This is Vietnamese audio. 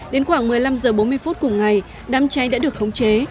đến khoảng một mươi năm h bốn mươi phút cùng ngày đám cháy đã được khống chế